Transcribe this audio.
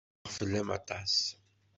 Xaqeɣ fell-am aṭas.